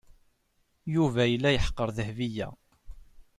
Yuba yella yeḥqer Dahbiya.